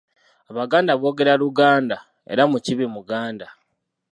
Abaganda boogera Luganda, era Mukiibi Muganda.